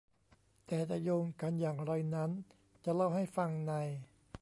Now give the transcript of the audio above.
แต่จะโยงกันอย่างไรนั้นจะเล่าให้ฟังใน